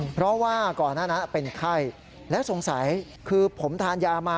เพราะว่าก่อนหน้านั้นเป็นไข้แล้วสงสัยคือผมทานยามา